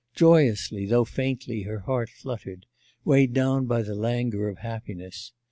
Joyously, though faintly, her heart fluttered; weighed down by the languor of happiness.